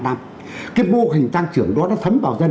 cái mô hình tăng trưởng đó nó thấm vào dân